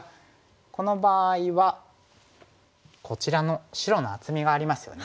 この場合はこちらの白の厚みがありますよね。